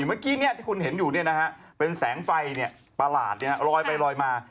ที่เมื่อกี้นี้ที่คุณเห็นอยู่นี่นะฮะเป็นแสงไฟประหลาดรอยไปรอยมา